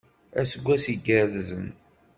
Aseggas iggerzen!